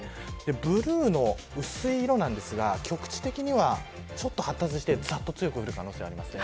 ブルーの薄い色ですが局地的には発達してざっと降る可能性があります。